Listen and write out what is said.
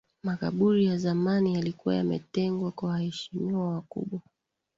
Makaburi ya zamani yalikuwa yametengwa kwa waheshimiwa wakubwa